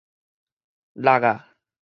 落矣